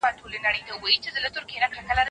قوت د مور د انرژي بنسټ دی.